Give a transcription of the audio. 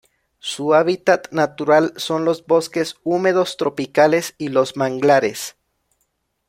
Su hábitat natural son los bosques húmedos tropicales y los manglares.